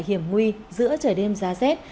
hiểm nguy giữa trời đêm giá rét